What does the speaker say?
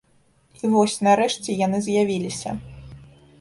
І вось, нарэшце, яны з'явіліся.